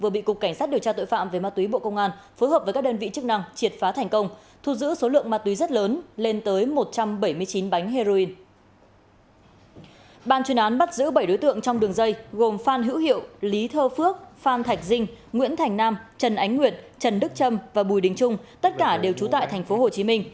bàn chuyên án bắt giữ bảy đối tượng trong đường dây gồm phan hữu hiệu lý thơ phước phan thạch dinh nguyễn thành nam trần ánh nguyệt trần đức trâm và bùi đình trung tất cả đều trú tại tp hcm